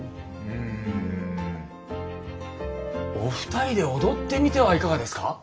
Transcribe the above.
うんお二人で踊ってみてはいかがですか？